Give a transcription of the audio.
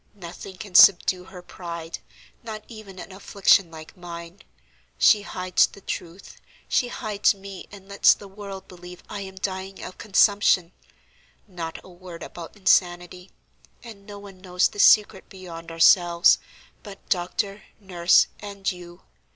Nothing can subdue her pride, not even an affliction like mine. She hides the truth; she hides me, and lets the world believe I am dying of consumption; not a word about insanity, and no one knows the secret beyond ourselves, but doctor, nurse, and you.